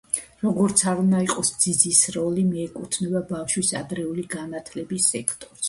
როგორც არ უნდა იყოს, ძიძის როლი მიეკუთვნება ბავშვის ადრეული განათლების სექტორს.